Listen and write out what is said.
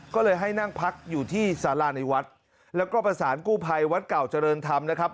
ก็เลยให้นั่งพักอยู่ที่สาราในวัดแล้วก็ประสานกู้ภัยวัดเก่าเจริญธรรมนะครับ